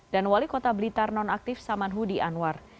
dan wali kota blitar nonaktif saman hudi anwar